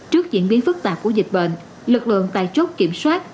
trước diễn biến phức tạp của dịch bệnh lực lượng tại chốt kiểm soát